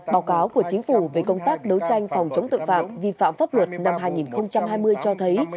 báo cáo của chính phủ về công tác đấu tranh phòng chống tội phạm vi phạm pháp luật năm hai nghìn hai mươi cho thấy